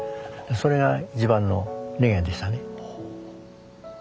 それが一番の願いでしたね。